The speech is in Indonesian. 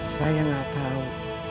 saya gak tahu